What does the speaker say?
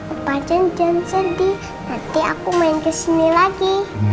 opacan jangan sedih nanti aku main kesini lagi